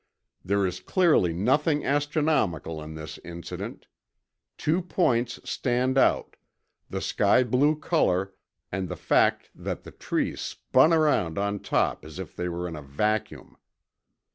"There is clearly nothing astronomical in this incident. ... Two points stand out, the sky blue color, and the fact that the trees 'spun around on top as if they were in a vacuum.